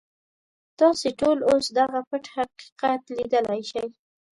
تاسې ټول اوس دغه پټ حقیقت ليدلی شئ.